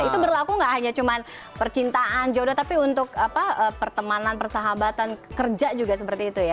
itu berlaku gak hanya cuma percintaan jodoh tapi untuk pertemanan persahabatan kerja juga seperti itu ya